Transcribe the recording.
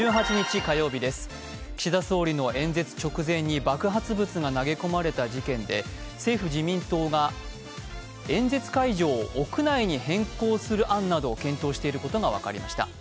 岸田総理の演説直前に爆発物が投げ込まれた事件で、政府自民党が演説会場を屋内に変更する案などを検討していることが分かりました。